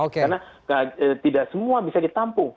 karena tidak semua bisa ditampung